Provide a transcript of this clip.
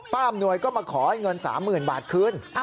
ป้าอำนวยก็มาขอให้เงิน๓๐๐๐๐บาทคืน